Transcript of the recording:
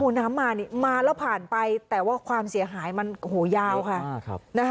มันน้ำมาแล้วผ่านไปแต่ว่าความเสียหายมันโหยาวค่ะ